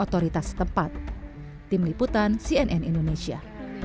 tim liputan cnn indonesia